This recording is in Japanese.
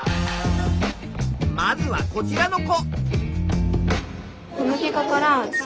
まずはこちらの子。